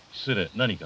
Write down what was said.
何か？